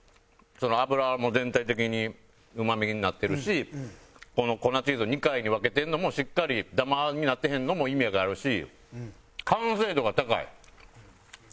脂も全体的にうまみになってるしこの粉チーズを２回に分けてるのもしっかりダマになってへんのも意味があるし。